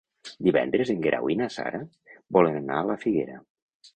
Divendres en Guerau i na Sara volen anar a la Figuera.